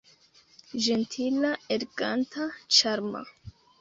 Ĝentila, eleganta, ĉarma!